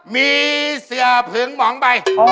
มีเสือผึงหมองใบ